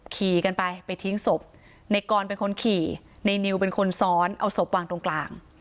ขี่กันไปไปทิ้งศพในกรเป็นคนขี่ในนิวเป็นคนซ้อนเอาศพวางตรงกลาง